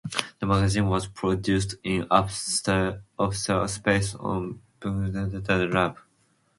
The magazine was produced in upstairs office space of the Birmingham Arts Lab.